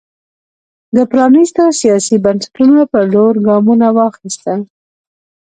د پرانېستو سیاسي بنسټونو پر لور ګامونه واخیستل.